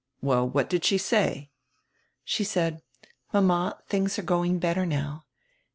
"Well, what did she say?" "She said: 'Mama, tilings are going better now.